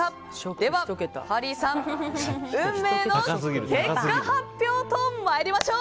では、ハリーさん運命の結果発表と参りましょう。